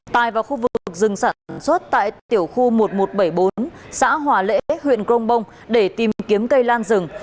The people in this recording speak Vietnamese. tài vào khu vực rừng sản xuất tại tiểu khu một nghìn một trăm bảy mươi bốn xã hòa lễ huyện grong bông để tìm kiếm cây lan rừng